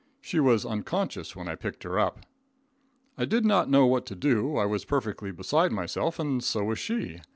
She was unconscious when I picked her up. I did not know what to do, I was perfectly beside myself, and so was she.